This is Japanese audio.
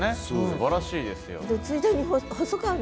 すばらしいですよ。